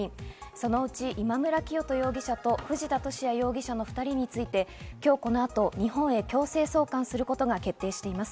そのうち今村磨人容疑者と藤田聖也容疑者の２人について今日この後、日本へ強制送還することが決定しています。